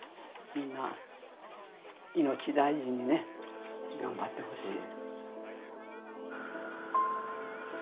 みんな命大事にね頑張ってほしい。